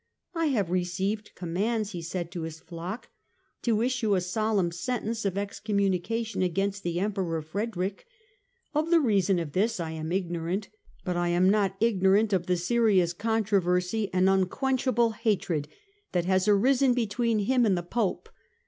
" I have received com mands," he said to his flock, " to issue a solemn sentence of excommunication against the Emperor Frederick. Of the reason for this I am ignorant ; but I am not ignorant of the serious controversy and unquenchable 222 STUPOR MUNDI hatred that has arisen between him and the Pope.